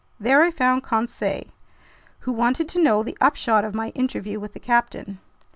There I found Conseil, who wanted to know the upshot of my interview with the captain.